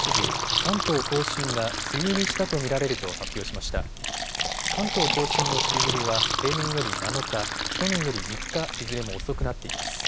関東甲信の梅雨入りは平年より７日、去年より３日、いずれも遅くなっています。